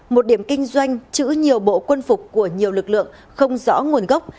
một điểm kinh doanh chữ nhiều bộ quân phục của nhiều lực lượng không rõ nguồn gốc